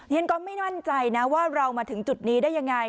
ฉันก็ไม่มั่นใจนะว่าเรามาถึงจุดนี้ได้ยังไง